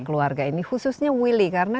keluarga ini khususnya willy karena